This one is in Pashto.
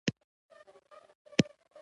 ودانۍ د ډبرو پر ډېرۍ بدلې شوې.